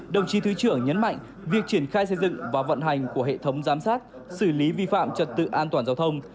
đồng chí thứ trưởng nhấn mạnh việc triển khai xây dựng và vận hành của hệ thống giám sát xử lý vi phạm trật tự an toàn giao thông